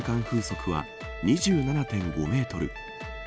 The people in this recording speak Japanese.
風速は２７．５メートル。